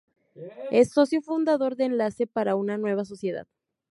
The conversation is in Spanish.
Es Socio Fundador de Enlace para una Nueva Sociedad.